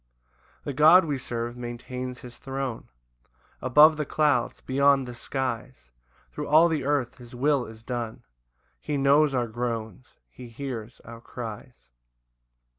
3 The God we serve maintains his throne Above the clouds, beyond the skies, Thro' all the earth his will is done, He knows our groans, he hears our cries.